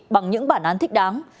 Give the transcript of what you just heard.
bằng những bản án thích đáng